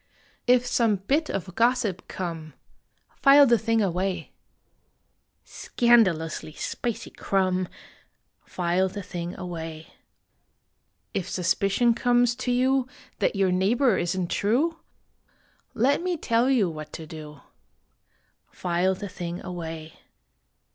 If some bit of gossip come, File the thing away. Scandalously spicy crumb, File the thing away. If suspicion comes to you That your neighbor isn t true Let me tell you what to do File the thing away